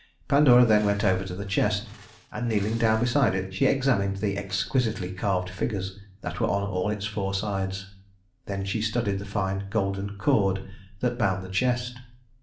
Pandora then went over to the chest, and kneeling down beside it, she examined the exquisitely carved figures that were on all its four sides. Then she studied the fine golden cord that bound the chest.